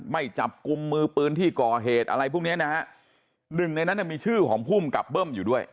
ไม่จับกลุ่มมือปืนที่ก่อเหตุอะไรพวกเนี้ยนะฮะหนึ่งในนั้นมีชื่อของภูมิกับเบิ้มอยู่ด้วย